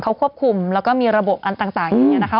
เขาควบคุมแล้วก็มีระบบอันต่างอย่างนี้นะคะ